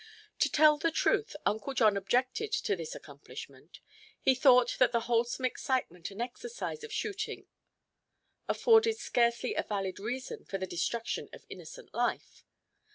To tell the truth, Uncle John objected to this accomplishment; he thought that the wholesome excitement and exercise of shooting afforded scarcely a valid reason for the destruction of innocent life.